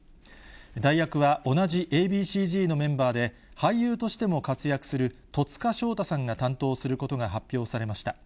代役は同じＡ．Ｂ．ＣーＺのメンバーで、俳優としても活躍する戸塚祥太さんが担当することが発表されました。